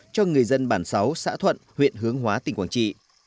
cho người dân bản sáu xã thuận huyện hướng hóa tỉnh quảng trị